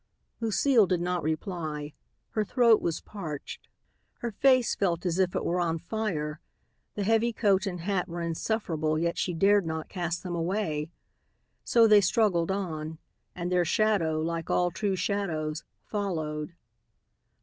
Lucile did not reply. Her throat was parched. Her face felt as if it were on fire. The heavy coat and hat were insufferable yet she dared not cast them away. So they struggled on. And their shadow, like all true shadows, followed.